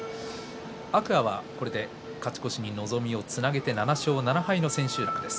天空海は、これで勝ち越しに望みをつなげて７勝７敗の千秋楽です。